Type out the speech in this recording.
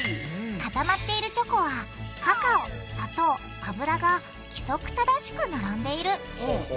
固まっているチョコはカカオ砂糖脂が規則正しく並んでいる。